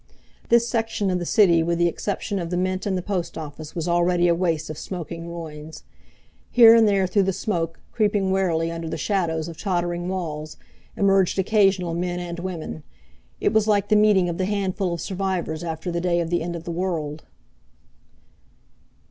This section of the city with the exception of the Mint and the Post Office, was already a waste of smoking ruins. Here and there through the smoke, creeping warily under the shadows of tottering walls, emerged occasional men and women. It was like the meeting of the handful of survivors after the day of the end of the world.